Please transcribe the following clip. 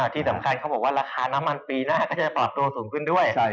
ที่สำคัญเขาบอกว่าราคาน้ำมันปีหน้าก็จะปรับตัวสูงขึ้นด้วย